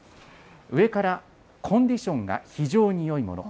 上からコンディションが非常によいもの。